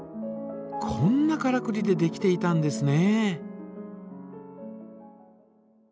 こんなからくりでできていたんですね。